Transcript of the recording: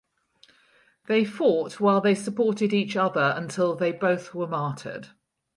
They fought while they supported each other until they both were martyred.